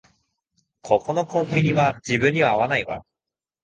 ここのコンビニは自分には合わないわ